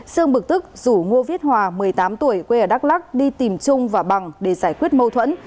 sương bực tức rủ ngô viết hòa một mươi tám tuổi quê ở đắk lắc đi tìm trung và bằng để giải quyết mâu thuẫn